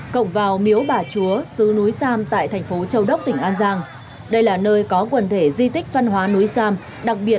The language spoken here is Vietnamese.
cộng vào miếu bà chúa sứ núi sam tại thành phố châu đốc tỉnh an giang đây là nơi có quần thể di tích văn hóa núi sam đặc biệt